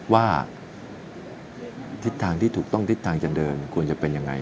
ว่าทิศทางที่ถูกต้องทิศทางจะเดินควรจะเป็นยังไง